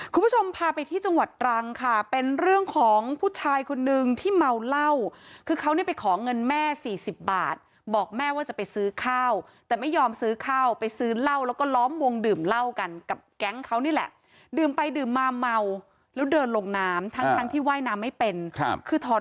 คุณผู้ชมพาไปที่จังหวัดตรังค่ะเป็นเรื่องของผู้ชายคนนึงที่เมาเหล้าคือเขาเนี่ยไปขอเงินแม่สี่สิบบาทบอกแม่ว่าจะไปซื้อข้าวแต่ไม่ยอมซื้อข้าวไปซื้อเหล้าแล้วก็ล้อมวงดื่มเหล้ากันกับแก๊งเขานี่แหละดื่มไปดื่มมาเมาแล้วเดินลงน้ำทั้งทั้งที่ว่ายน้ำไม่เป็นครับคือถอด